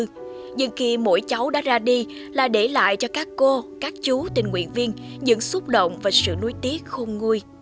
nhưng khi mỗi cháu đã ra đi là để lại cho các cô các chú tình nguyện viên những xúc động và sự nối tiếc khôn nguôi